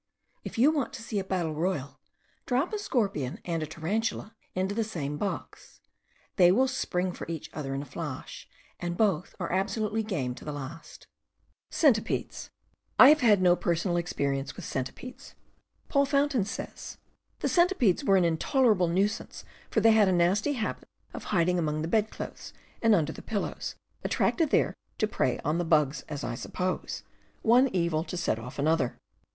If you want to see a battle royal, drop a scorpion and a tarantula into the same box. They will spring for each other in a flash, and both are absolutely game to the last. p ., I have had no personal experience ^* with centipedes. Paul Fountain says: The centipedes were an intolerable nuisance for they had a nasty habit of hiding among the bed clothes and under the pillows, attracted there to prey on the bugs, as I suppose: one evil as a set off to another.